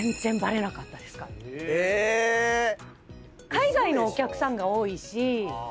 海外のお客さんが多いし。